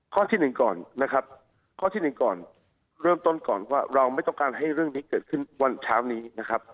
ข้อที่หนึ่งก่อนนะครับข้อที่หนึ่งก่อนเริ่มต้นก่อนว่าเราไม่ต้องการให้เรื่องนี้เกิดขึ้นวันเช้านี้นะครับ